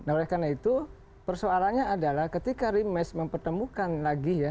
nah oleh karena itu persoalannya adalah ketika remes mempertemukan lagi ya